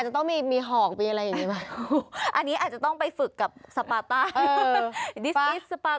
อันนี้อาจจะต้องไปฝึกกับสปาต้า